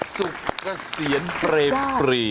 สุขเกษียณเตรียม